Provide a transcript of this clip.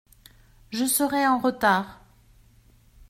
Je serai en retard.